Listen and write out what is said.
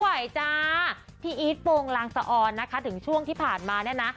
ไหวจ้าพี่อีทโปรงลางสะออนนะคะถึงช่วงที่ผ่านมาเนี่ยนะ